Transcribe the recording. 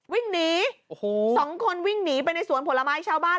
วิ่งหนีโอ้โหสองคนวิ่งหนีไปในสวนผลไม้ชาวบ้าน